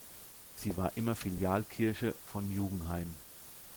Sie war immer Filialkirche von Jugenheim.